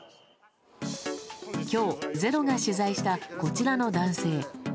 今日、「ｚｅｒｏ」が取材したこちらの男性。